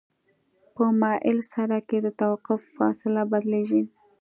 په مایل سرک کې د توقف فاصله بدلیږي